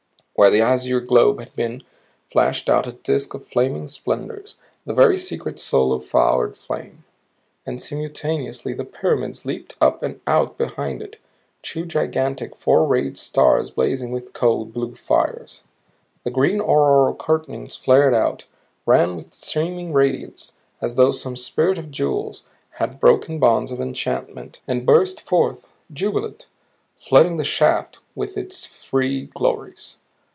Where the azure globe had been, flashed out a disk of flaming splendors, the very secret soul of flowered flame! And simultaneously the pyramids leaped up and out behind it two gigantic, four rayed stars blazing with cold blue fires. The green auroral curtainings flared out, ran with streaming radiance as though some Spirit of Jewels had broken bonds of enchantment and burst forth jubilant, flooding the shaft with its freed glories.